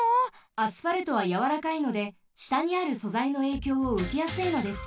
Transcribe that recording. アスファルトはやわらかいのでしたにあるそざいのえいきょうをうけやすいのです。